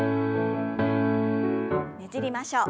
ねじりましょう。